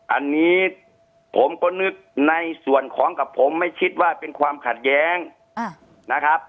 อันนี้ผมก็นึกในส่วนของกับผมไม่คิดว่าเป็นความขัดแย้งนะครับ